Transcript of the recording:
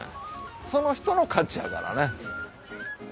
その人の価値やからね。